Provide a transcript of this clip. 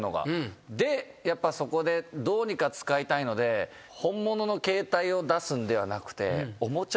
でやっぱそこでどうにか使いたいので本物の携帯を出すんではなくて。